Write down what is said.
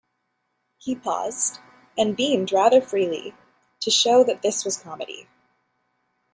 He paused, and beamed rather freely, to show that this was comedy.